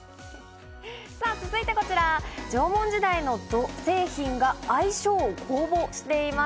さあ続いてこちら、縄文時代の土製品が愛称を公募しています。